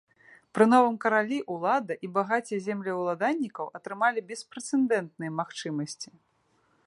Пры новым каралі ўлада і багацце землеўладальніка атрымалі беспрэцэдэнтныя магчымасці.